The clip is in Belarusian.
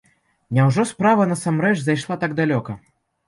Няўжо справа насамрэч зайшла так далёка?